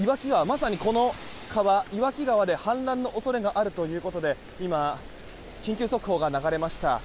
まさにこの川、岩木川で氾濫の恐れがあるということで今、緊急速報が流れました。